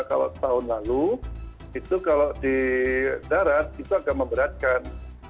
kalau tahun lalu itu kalau di darat itu agak memberatkan